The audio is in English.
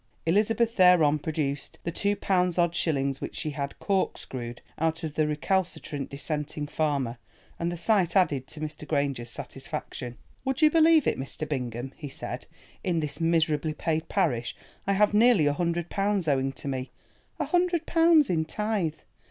Elizabeth thereon produced the two pounds odd shillings which she had "corkscrewed" out of the recalcitrant dissenting farmer, and the sight added to Mr. Granger's satisfaction. "Would you believe it, Mr. Bingham," he said, "in this miserably paid parish I have nearly a hundred pounds owing to me, a hundred pounds in tithe.